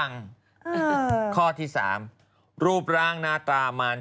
องค์เทียบห่วงอ้าวาย